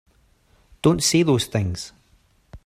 Don't say those things!